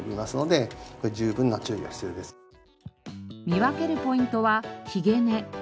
見分けるポイントはひげ根。